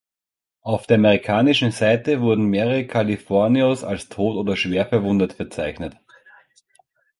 Auf der amerikanischen Seite wurden mehrere Californios als tot oder schwer verwundet verzeichnet.